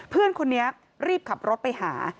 เพื่อนคนนี้รีบขับรถไปหา